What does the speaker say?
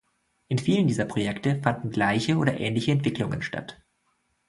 In vielen dieser Projekte fanden gleiche oder ähnliche Entwicklungen statt.